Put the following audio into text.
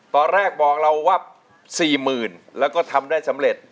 ตอนแรกบอกเราว่า๔๐๐๐แล้วก็ทำได้สำเร็จ